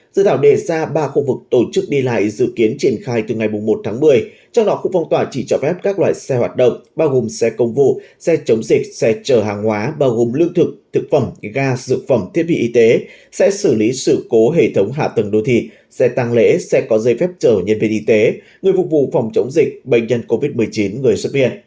dự thảo đề ra ba khu vực tổ chức đi lại dự kiến triển khai từ ngày một tháng một mươi trong đó khu phong tỏa chỉ cho phép các loại xe hoạt động bao gồm xe công vụ xe chống dịch xe chở hàng hóa bao gồm lương thực thực phẩm ga dược phẩm thiết bị y tế xe xử lý sự cố hệ thống hạ tầng đô thị xe tăng lễ xe có dây phép chở nhân viên y tế người phục vụ phòng chống dịch bệnh nhân covid một mươi chín người xuất viện